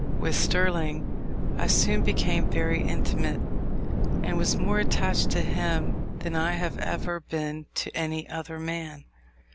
With Sterling I soon became very intimate, and was more attached to him than I have ever been to any other man.